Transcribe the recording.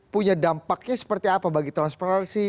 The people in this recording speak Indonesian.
punya dampaknya seperti apa bagi transparansi